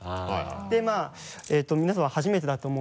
で皆さま初めてだと思うので。